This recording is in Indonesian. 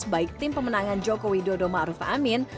baik tim pemenangan jokowi dodo ma'ruf amin